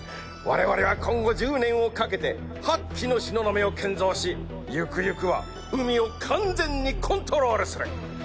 我々は今後１０年をかけて８基の東雲を建造しゆくゆくは海を完全にコントロールする。